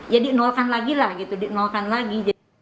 ya di nolkan lagi lah gitu di nolkan lagi